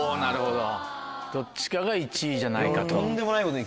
どっちかが１位じゃないかと。